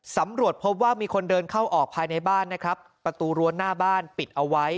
สำรวจพบว่ามีคนเดินเข้าออกภายในบ้านนะครับประตูรั้วหน้าบ้านปิดเอาไว้